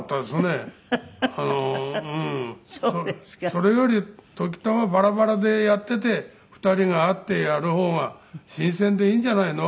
それより時たまバラバラでやっていて２人が会ってやる方が新鮮でいいんじゃないの？